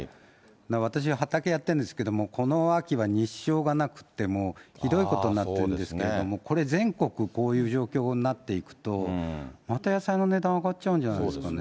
私は畑やってるんですけど、この秋は日照がなくて、ひどいことになってるんですけども、これ全国、こういう状況になっていくと、また野菜の値段上がっちゃうんじゃないですかね。